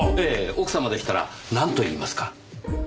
ええ奥様でしたらなんと言いますか？